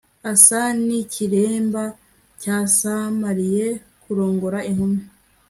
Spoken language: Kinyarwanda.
asa n'ikiremba cyasamariye kurongora inkumi